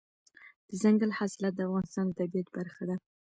دځنګل حاصلات د افغانستان د طبیعت برخه ده.